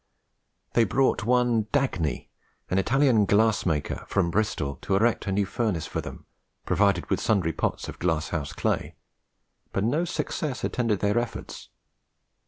They brought one Dagney, an Italian glass maker, from Bristol, to erect a new furnace for them, provided with sundry pots of glass house clay; but no success attended their efforts.